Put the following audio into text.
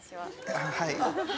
あぁはい。